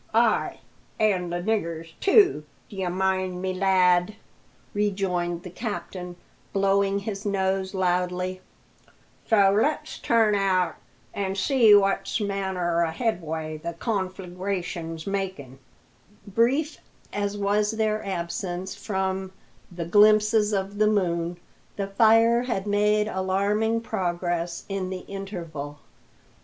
Ay, an for the nigger's too, d'ye mind me, lad," rejoined the captain, blowing his nose loudly. "So let's turn out an' see what manner o' headway the confleegrations makin'." Brief as was their absence from "the glimpses of the moon," the fire had made alarming progress in the interval.